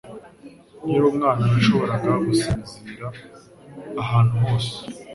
Nkiri umwana, nashoboraga gusinzira ahantu hose